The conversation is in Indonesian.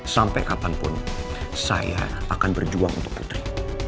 sampai kapanpun saya akan berjuang untuk putri